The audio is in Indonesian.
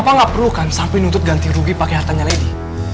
papa gak perlukan sampin untuk ganti rugi pake hartanya lady